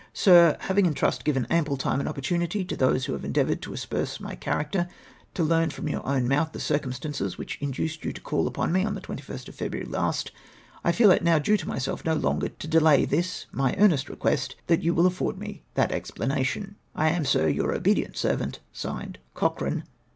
Sir, — Having, I trust, given ample time and opportimity to those who have endeavoured to asperse my character to learn from your own mouth the circumstances which induced you to call upon me on the 21st of February last, I feel it now due to myself no longer to delay this my earnest request, that you will afford me that explanation. "■ I am, Sir, your obedient Servant, (Signed) " Cochrane.